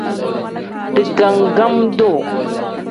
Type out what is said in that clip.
Digangam-duu.